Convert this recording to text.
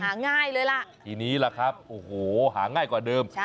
หาง่ายเลยล่ะทีนี้ล่ะครับโอ้โหหาง่ายกว่าเดิม